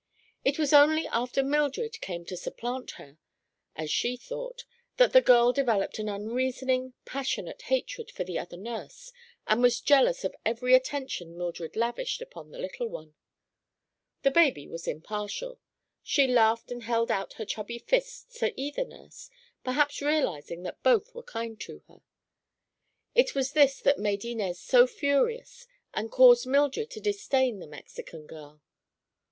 It was only after Mildred came to supplant her, as she thought, that the girl developed an unreasoning, passionate hatred for the other nurse and was jealous of every attention Mildred lavished upon the little one. The baby was impartial. She laughed and held out her chubby fists to either nurse, perhaps realizing that both were kind to her. It was this that made Inez so furious and caused Mildred to disdain the Mexican girl.